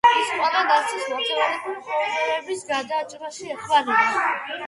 ის ყველა ნაცნობს მათემატიკური პრობლემების გადაჭრაში ეხმარება.